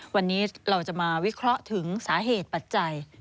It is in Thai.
วันนี้เราจะมาวิเคราะห์ถึงสาเหตุปัจจัย